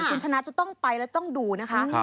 คุณชนะจะต้องไปแล้วต้องดูนะคะ